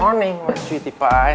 selamat pagi mas cuiti pai